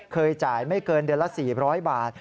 เคยจ่ายไม่เกินเดือนละ๔๐๐บาท